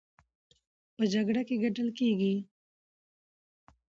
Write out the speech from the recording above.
په جګړه کې ګټل کېږي،